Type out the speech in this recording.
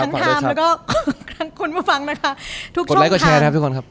ทั้งทำแล้วก็ทั้งคุณมาฟังนะคะทุกช่วงค่ะกดไลค์กดแชร์นะครับทุกคนครับ